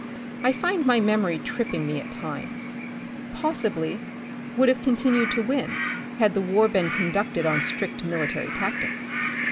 I find my memory tripping me at times — possibly would have con tinued to win had the war been conducted on strict military tactics.